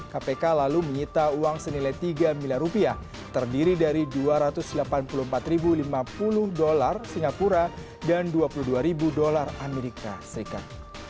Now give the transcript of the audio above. kpk lalu menyita uang senilai tiga miliar rupiah terdiri dari dua ratus delapan puluh empat lima puluh dolar singapura dan dua puluh dua dolar amerika serikat